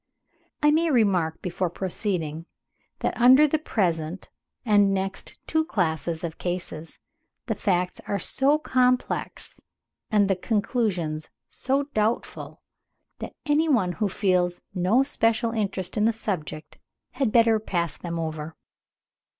I may remark before proceeding that, under the present and next two classes of cases, the facts are so complex and the conclusions so doubtful, that any one who feels no especial interest in the subject had better pass them over.